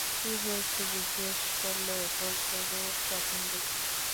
কী হয়েছে জিজ্ঞেস করলে বলত, দুঃস্বপ্ন দেখেছি।